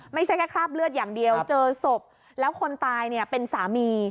ไม่ใช่แค่คราบเลือดอย่างเดียวเจอศพแล้วคนตายเนี่ยเป็นสามี